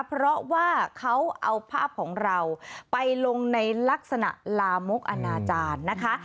เพราะว่าเขาเอาภาพของเราไปลงในลักษณะลามกอนาจารย์นะคะ